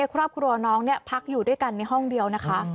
ครอบครัวน้องพักอยู่ด้วยกันในห้องเดียวนะคะ